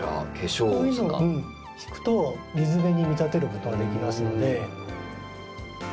こういうのを敷くと水辺に見立てることができますので。